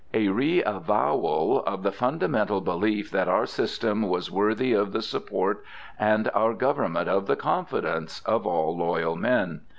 A reavowal of the fundamental belief that our system was worthy of the support, and our Government of the confidence, of all loyal men.